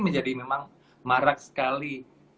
menjadi memang marak sekali